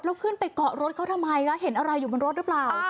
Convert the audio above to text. แล้วขึ้นไปเกาะรถเขาทำไมคะเห็นอะไรอยู่บนรถหรือเปล่า